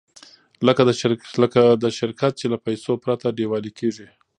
لکه د شرکت چې له پیسو پرته ډیوالي کېږي.